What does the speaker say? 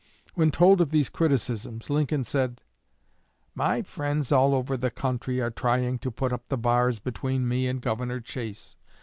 When told of these criticisms, Lincoln said: "My friends all over the country are trying to put up the bars between me and Governor Chase.